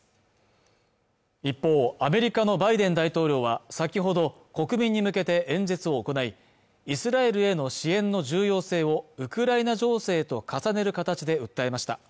一方アメリカのバイデン大統領は先ほど国民に向けて演説を行いイスラエルへの支援の重要性をウクライナ情勢と重ねる形で訴えました